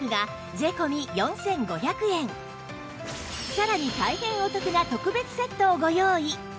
さらに大変お得な特別セットをご用意！